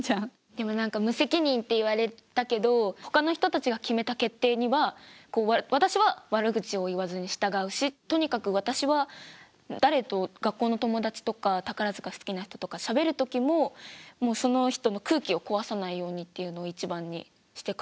でも何か無責任って言われたけどほかの人たちが決めた決定にはこう私は悪口を言わずに従うしとにかく私は誰と学校の友達とか宝塚好きな人とかしゃべる時ももうその人の空気を壊さないようにっていうのを一番にして考え。